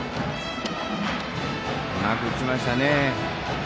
うまく打ちましたね。